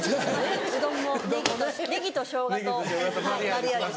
うどんもネギとショウガとはいマリアージュ。